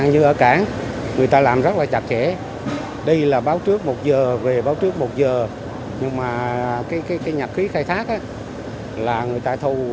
như ở cảng người ta làm rất là chặt chẽ đi là báo trước một giờ về báo trước một giờ nhưng mà cái nhạc khí khai thác là người ta thu